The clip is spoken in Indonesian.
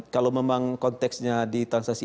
kalau memang konteksnya di transaksi